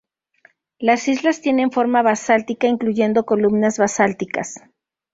Las islas tienen forma basáltica, incluyendo columnas basálticas.